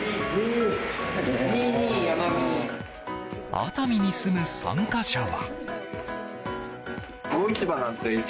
熱海に住む参加者は。